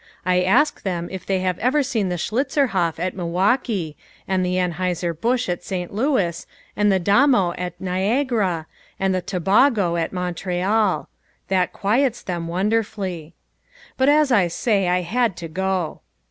I ask them if they have ever seen the Schlitzerhof at Milwaukee and the Anheuserbusch at St. Louis, and the Dammo at Niagara, and the Toboggo at Montreal. That quiets them wonderfully. But, as I say, I had to go.